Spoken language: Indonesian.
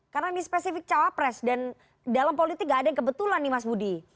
karena ini spesifik cawapres dan dalam politik gak ada yang kebetulan nih mas budi